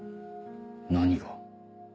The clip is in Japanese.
何が？